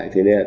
thế nên là